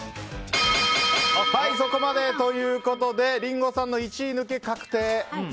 そこまで！ということでリンゴさんの一抜け確定。